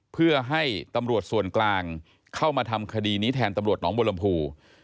เพื่อให้ตำรวจส่วนกลางเข้ามาทำคดีนี้แทนตำรวจหนองบุรมภู